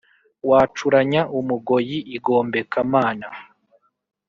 Wacuranya umugoyi i Gombeka-mana,